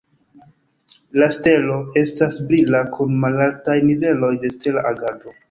La stelo estas brila kun malaltaj niveloj de stela agado.